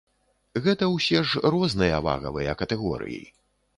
Гэта ўсе ж розныя вагавыя катэгорыі.